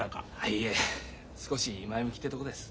いえ少し前向きってとこです。